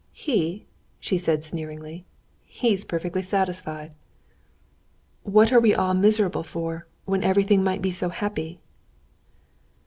"He?" she said sneeringly. "He's perfectly satisfied." "What are we all miserable for, when everything might be so happy?"